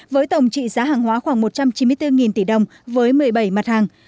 với tổng trị giá hàng hóa khoảng một trăm chín mươi bốn tỷ đồng với một mươi bảy mặt hàng